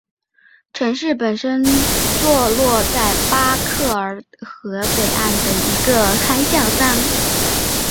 城市本身坐落在巴克尔河北岸的一个海角上。